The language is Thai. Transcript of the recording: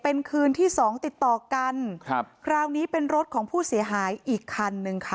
เป็นคืนที่สองติดต่อกันครับคราวนี้เป็นรถของผู้เสียหายอีกคันนึงค่ะ